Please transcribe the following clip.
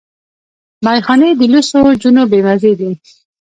ميخانې د لوڅو جونو بې مزې دي